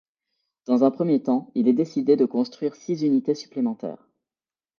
Dans un premier temps, il est décidé de construire six unités supplémentaires.